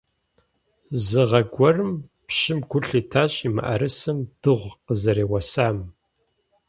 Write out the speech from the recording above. Зы гъэ гуэрым пщым гу лъитащ и мыӀэрысэм дыгъу къызэреуэсам.